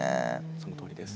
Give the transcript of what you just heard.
そのとおりです。